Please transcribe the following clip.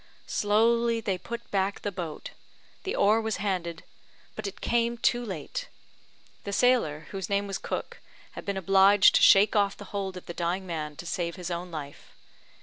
Slowly they put back the boat the oar was handed; but it came too late! The sailor, whose name was Cook, had been obliged to shake off the hold of the dying man to save his own life.